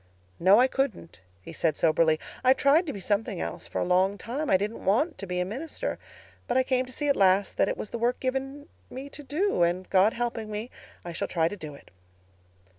"'No, I couldn't,' he said soberly. 'I tried to be something else for a long time—I didn't want to be a minister. But I came to see at last that it was the work given me to do—and God helping me, I shall try to do it.